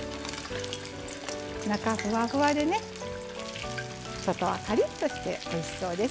中、ふわふわでね外はカリッとしておいしそうです。